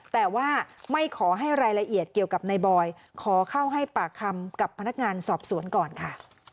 แต่ว่าไม่ขอให้รายละเอียดเกี่ยวกับในบอยขอเข้าให้ปากคำกับพนักงานสอบสวนก่อนค่ะ